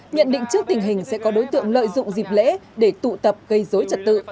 nhận định trước tình hình sẽ có đối tượng lợi dụng dịp lễ để tụ tập gây dối trật tự